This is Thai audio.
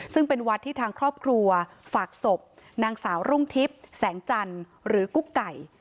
ซึ่งเป็นวัดที่ทางครอบครัวฝากศพนางสาวรุ่งทิพย์แสงจันทร์หรือกุ๊กไก่